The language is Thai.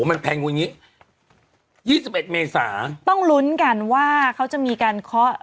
มันแพงกว่านี้ยี่สิบเอ็ดเมษาต้องลุ้นกันว่าเขาจะมีการเคาะ